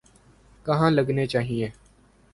کہاں لگنے چاہئیں۔